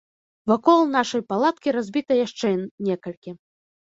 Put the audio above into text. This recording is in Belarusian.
Вакол нашай палаткі разбіта яшчэ некалькі.